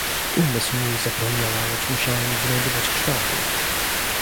"Umysł mój zapełniała, lecz musiałem wynajdywać kształty."